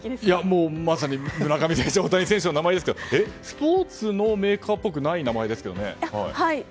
もうまさに村上選手大谷選手の名前ですけどスポーツのメーカーっぽくない名前ですけどね？